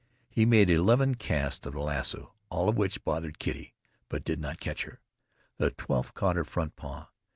He made eleven casts of the lasso, all of which bothered Kitty, but did not catch her. The twelfth caught her front paw.